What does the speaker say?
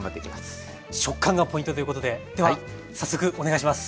食感がポイントということででは早速お願いします。